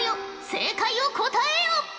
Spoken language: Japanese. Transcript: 正解を答えよ。